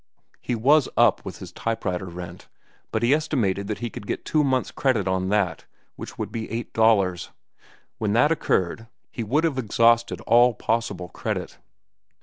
He was up with his type writer rent, but he estimated that he could get two months' credit on that, which would be eight dollars. When that occurred, he would have exhausted all possible credit.